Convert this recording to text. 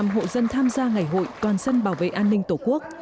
chín mươi một năm hộ dân tham gia ngày hội toàn dân bảo vệ an ninh tổ quốc